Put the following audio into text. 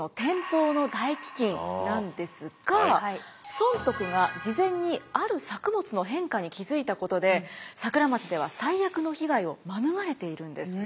尊徳が事前にある作物の変化に気付いたことで桜町では最悪の被害を免れているんです。